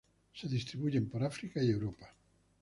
Se distribuyen por África, y Europa.